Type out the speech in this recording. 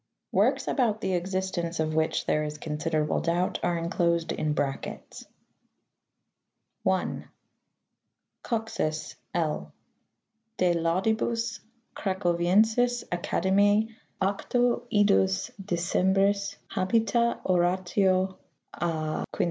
(Works about'^the existence of which there is considerable doubt are enclosed in brackets.) 1. Coxus, L. De laudibus Cracoviensis Academias 8 Idus Decembris habita oratio a 1518.